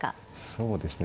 そうですね